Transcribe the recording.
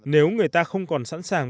nếu người ta không còn sẵn sàng